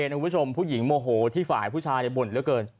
คุณผู้ชมผู้หญิงโมโหที่ฝ่ายผู้ชายบ่นเหลือเกิน